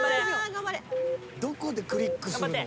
どこでクリックするの？